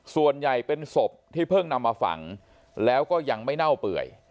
ส่วนใหญ่เป็นศพที่เพิ่งนำมาฝังแล้วก็ยังไม่เน่าเปื่อย